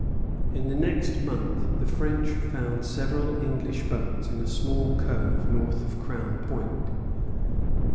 In the next month the French found several English boats in a small cove north of Crown Point.